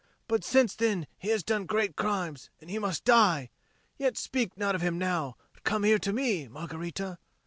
"But since then he has done great crimes, and he must die. Yet speak not of him now, but come here to me, Margherita."